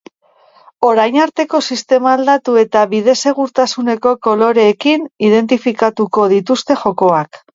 Orain arteko sistema aldatu eta bide-segurtasuneko koloreekin identifikatuko dituzte jokoak.